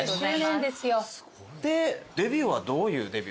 でデビューはどういうデビューですか？